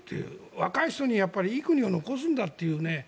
若い人にいい国を残すんだって。